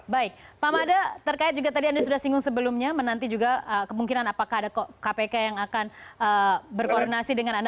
baik pak mada terkait juga tadi anda sudah singgung sebelumnya menanti juga kemungkinan apakah ada kpk yang akan berkoordinasi dengan anda